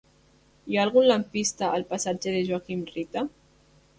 Hi ha algun lampista al passatge de Joaquim Rita?